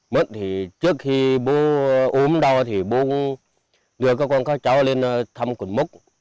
mất thì trước khi bố ốm đau thì bố người cơ quan các cháu lên thăm cột mốc